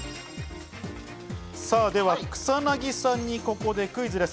では、草薙さんにここでクイズです。